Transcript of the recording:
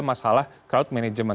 masalah crowd management